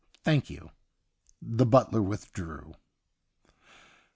Thank you.' The butler withdrew.